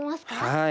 はい。